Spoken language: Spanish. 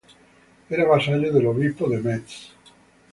Era vasallo del obispo de Metz.